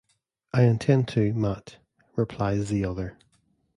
"I intend to, Mat," replies the other.